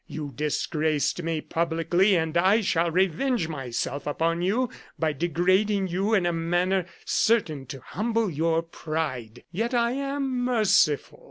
You disgraced me publicly, and I shall revenge myself upon you by degrading you in a manner certain to humble your pride. Yet I am merciful.